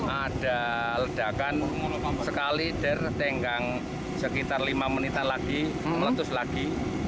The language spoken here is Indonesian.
ada ledakan sekali dari tenggang sekitar lima menitan lagi meletus lagi